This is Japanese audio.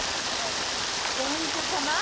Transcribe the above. ご隠居様。